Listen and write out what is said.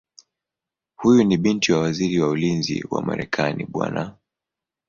Huyu ni binti wa Waziri wa Ulinzi wa Marekani Bw.